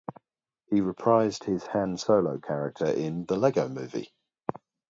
He reprised his Han Solo character in "The Lego Movie".